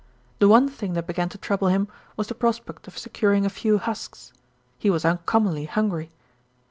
The one thing that began to trouble him was the prospect of securing a few husks. He was uncom monly hungry.